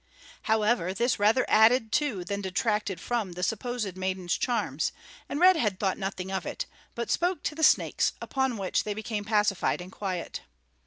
However this rather added to than detracted from the supposed maiden's charms, and Red Head thought nothing of it, but spoke to the snakes, upon which they became pacified and quiet.